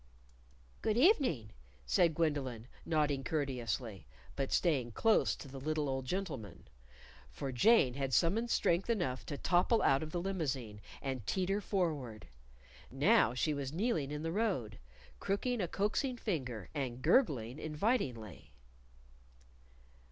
"Good evening," said Gwendolyn, nodding courteously but staying close to the little old gentleman. For Jane had summoned strength enough to topple out of the limousine and teeter forward. Now she was kneeling in the road, crooking a coaxing finger, and gurgling invitingly.